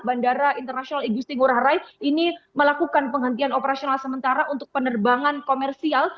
bandara internasional igusti ngurah rai ini melakukan penghentian operasional sementara untuk penerbangan komersial